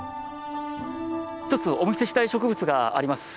１つお見せしたい植物があります。